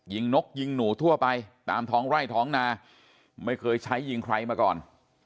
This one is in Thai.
นกยิงหนูทั่วไปตามท้องไร่ท้องนาไม่เคยใช้ยิงใครมาก่อน